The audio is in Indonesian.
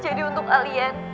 jadi untuk kalian